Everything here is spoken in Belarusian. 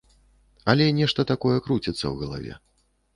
Але нешта такое круціцца ў галаве.